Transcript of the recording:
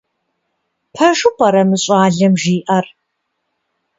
Пэжу пӀэрэ мы щӏалэм жиӀэр?